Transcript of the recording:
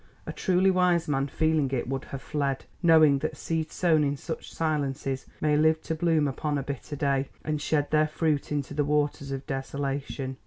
A truly wise man feeling it would have fled, knowing that seeds sown in such silences may live to bloom upon a bitter day, and shed their fruit into the waters of desolation.